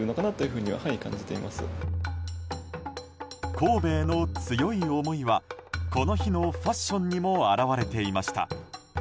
神戸への強い思いはこの日のファッションにも表れていました。